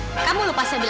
nggak tahu apa yang terjadi